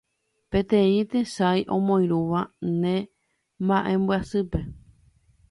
Peteĩ tesay omoirũva ne mba'embyasýpe